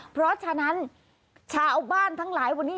เพราะฉะนั้นชาวบ้านทั้งหลายวันนี้